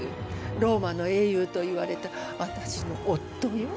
ローマの英雄といわれた私の夫よ。